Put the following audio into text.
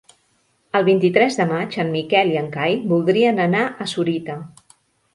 El vint-i-tres de maig en Miquel i en Cai voldrien anar a Sorita.